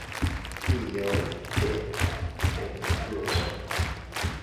Kiom de vegetuloj?